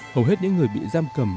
hầu hết những người bị giam cầm